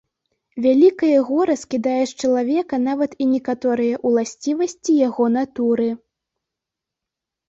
Вялікае гора скідае з чалавека нават і некаторыя ўласцівасці яго натуры.